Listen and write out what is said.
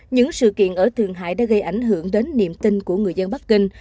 những sự kiện ở thường hại đã gây ảnh hưởng đến niềm tin của người dân bắc kinh